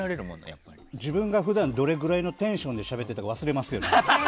自分が普段どれぐらいのテンションでしゃべっていたか忘れますよね。